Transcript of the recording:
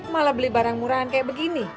malah beli barang murahan kayak begini